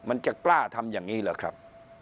มันจะกล้าทำอย่างนี้เหรอครับ